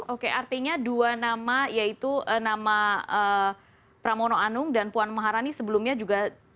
oke artinya dua nama yaitu nama pramono anung dan puan maharani sebelumnya juga